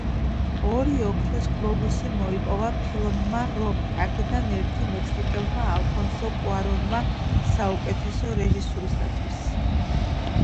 ორი „ოქროს გლობუსი“ მოიპოვა ფილმმა „რომი“, აქედან ერთი – მექსიკელმა ალფონსო კუარონმა საუკეთესო რეჟისურისთვის.